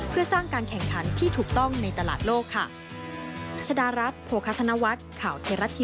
เพื่อสร้างการแข่งขันที่ถูกต้องในตลาดโลกค่ะ